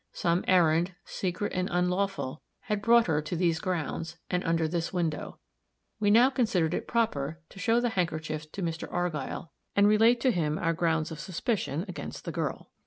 Some errand, secret and unlawful, had brought her to these grounds, and under this window. We now considered it proper to show the handkerchief to Mr. Argyll, and relate to him our grounds of suspicion against the girl.